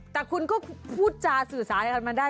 แต่คุณก็พูดจาสื่อสาเหมือนมันได้